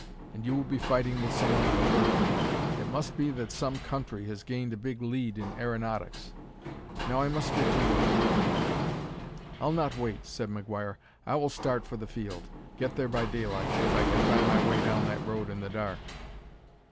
And you will be fighting with someone on Earth. It must be that some country has gained a big lead in aeronautics. Now I must get to work." "I'll not wait," said McGuire. "I will start for the field; get there by daylight, if I can find my way down that road in the dark."